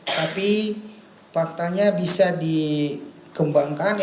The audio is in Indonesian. tapi faktanya bisa dikembangkan